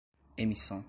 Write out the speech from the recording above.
emissão